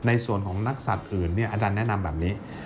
ในส่วนของนักสัตว์อื่นอาจารย์แนะนำแบบนี้